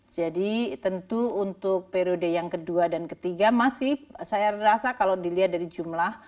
jadi tentu untuk periode yang kedua dan ketiga masih saya rasa kalau dilihat dari jumlah